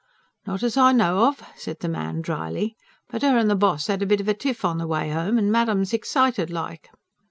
"Not as I know of," said the man dryly. "But her and the boss had a bit of a tiff on the way home, and Madam's excited like."